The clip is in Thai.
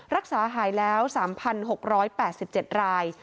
รักษาหายแล้ว๓๖๘๗ราย